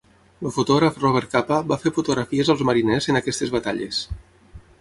El fotògraf Robert Capa va fer fotografies als mariners en aquestes batalles.